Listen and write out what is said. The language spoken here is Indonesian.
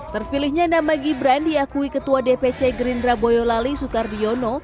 terpilihnya nama gibran diakui ketua dpc gerindra boyolali soekardiono